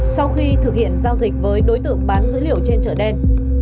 sau khi thực hiện giao dịch với đối tượng bán dữ liệu trên trở đen